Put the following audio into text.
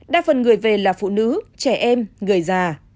đa phần người về là phụ nữ trẻ em người già